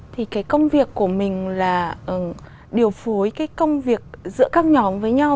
thì cái công việc của mình là điều phối cái công việc giữa các nhóm với nhau